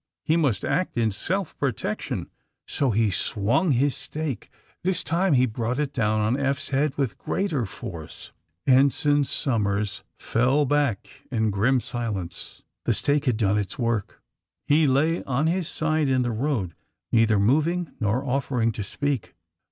He must act in self protection, so he swung his stake.. This time he brought it down on Eph's head with greater force. Ensign Somers fell back in grim silence. The stake had done its work. He lay on his side in the road, neither moving nor offering to speak.